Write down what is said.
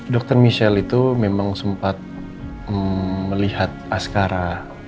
dokter michelle itu memang sempat melihat askara